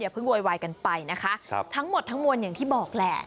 เพิ่งโวยวายกันไปนะคะทั้งหมดทั้งมวลอย่างที่บอกแหละ